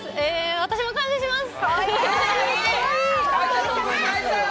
私も感謝します！